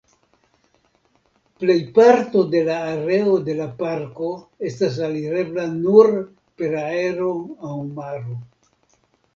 Plejparto de la areo de la parko estas alirebla nur per aero aŭ maro.